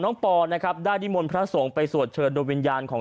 น้องปอนะครับได้ดิมลพระสงฆ์ไปสวดเฉินโดยวิญญาณของ